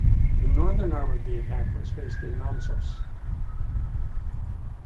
The northern arm of the attack was based in Namsos.